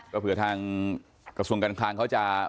ก็เผื่อทางกระทรวงการคลังเขาจะ